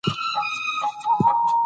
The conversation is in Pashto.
د پخوانیو استادانو درناوی وکړئ.